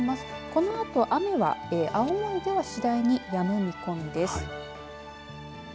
このあと雨は青森では次第にやむ見込みです。